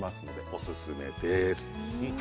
おすすめです。